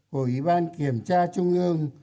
của ủy ban kiểm tra trung ương